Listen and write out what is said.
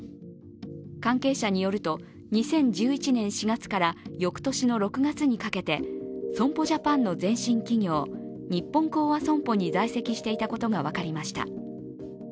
関係者によると２０１１年４月から翌年の６月にかけて損保ジャパンの前身企業、日本興亜損保に在籍していたことが分かりました。